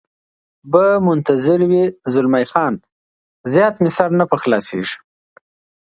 به منتظر وي، زلمی خان: زیات مې سر نه په خلاصېږي.